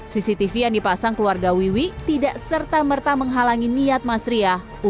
cctv yang dipasang keluarga wiwi tidak serta merta menghalangi niat mas ria untuk mengusir wiwi dari rumah warisan orang tua